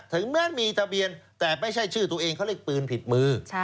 เหมือนมีทะเบียนแต่ไม่ใช่ชื่อตัวเองเขาเรียกปืนผิดมือ